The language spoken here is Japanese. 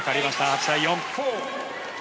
８対４。